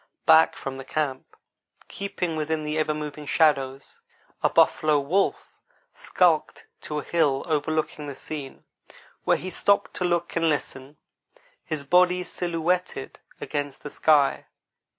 Back from the camp, keeping within the ever moving shadows, a buffalo wolf skulked to a hill overlooking the scene, where he stopped to look and listen, his body silhouetted against the sky.